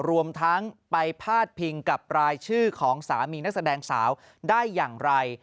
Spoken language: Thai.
รวมทั้งไปพาดพิงกับรายชื่อของสามีนักแสดงสาวได้อย่างไร